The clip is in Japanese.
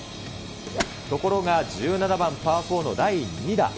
ところが１７番パー４の第２打。